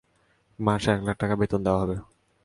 মাসে এক লাখ টাকা বেতন দেওয়া হবে।